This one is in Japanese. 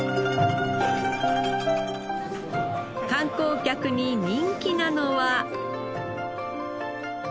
観光客に人気なのは。